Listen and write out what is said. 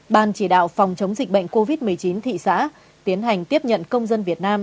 ban chỉ đạo phòng chống dịch bệnh covid một mươi chín thị xã tiến hành tiếp nhận công dân việt nam